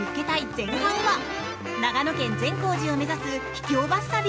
前半は、長野県善光寺を目指す秘境バス旅。